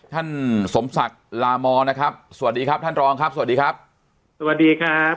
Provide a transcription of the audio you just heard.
ท่านสมศักดิ์ลามอนะครับสวัสดีครับท่านรองครับสวัสดีครับสวัสดีครับ